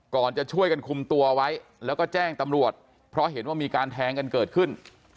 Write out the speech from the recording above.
ก่อนจะช่วยกันคุมตัวไว้แล้วก็แจ้งตำรวจเพราะเห็นว่ามีการแทงกันเกิดขึ้น